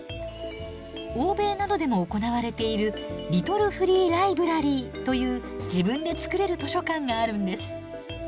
欧米などでも行われているリトルフリーライブラリーという自分で作れる図書館があるんです。